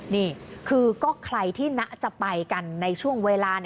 นี่คือก็ใครที่จะไปกันในช่วงเวลา